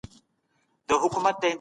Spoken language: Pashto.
زموږ غوښتنه کله ناکله زموږ په زیان وي.